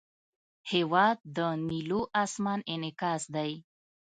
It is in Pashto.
هېواد د نیلو آسمان انعکاس دی.